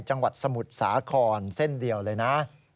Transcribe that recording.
จังหวัดสมุทรสาครเส้นเดียวเลยนะ